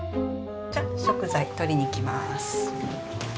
じゃ食材取りに行きます。